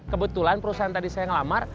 kebetulan perusahaan tadi saya ngelamar